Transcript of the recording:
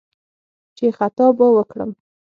چې «خطا به وکړم»